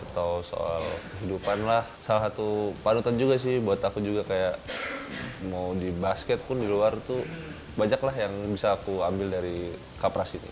atau soal kehidupan lah salah satu pandutan juga sih buat aku juga kayak mau di basket pun di luar tuh banyak lah yang bisa aku ambil dari kap pras ini